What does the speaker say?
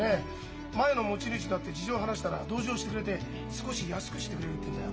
「前の持ち主だ」って事情話したら同情してくれて少し安くしてくれるって言うんだよ。